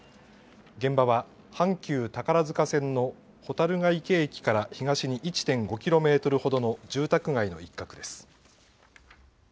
現場は阪急宝塚線の蛍池駅から東に１．５キロメートルほどの住宅街の一角です。